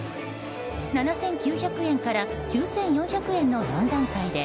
７９００円から９４００円の４段階で